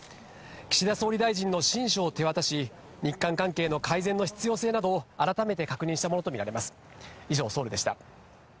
岸田総理大臣の親書を手渡し、日韓関係の改善の必要性などを改めて確認したものと見られます。